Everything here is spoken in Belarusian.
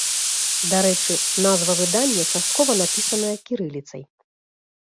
Дарэчы, назва выдання часткова напісаная кірыліцай.